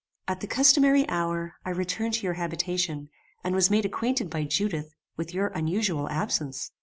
"At the customary hour, I returned to your habitation, and was made acquainted by Judith, with your unusual absence.